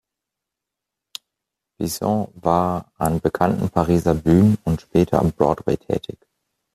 Bisson war an bekannten Pariser Bühnen und später am Broadway tätig.